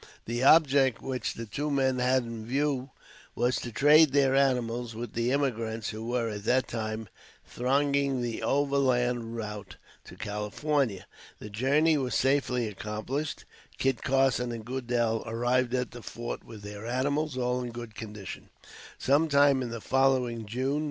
The object which the two men had in view was to trade their animals with the emigrants who were, at that time, thronging the overland route to California. The journey was safely accomplished, Kit Carson and Goodel arriving at the fort, with their animals all in good condition, sometime in the following June.